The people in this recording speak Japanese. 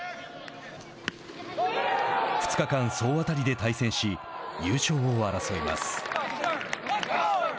２日間、総当たりで対戦し優勝を争います。